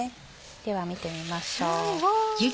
では見てみましょう。